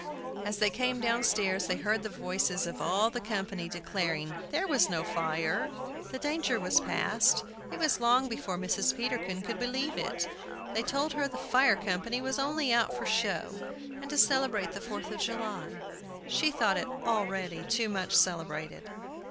As they came downstairs they heard the voices of all the company declaring there was no fire; the danger was past. It was long before Mrs. Peterkin could believe it. They told her the fire company was only out for show, and to celebrate the Fourth of July. She thought it already too much celebrated.